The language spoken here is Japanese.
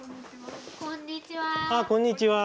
あっこんにちは。